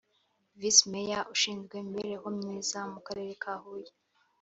Visi Meya ushinzwe imibereho myiza mu Karere ka Huye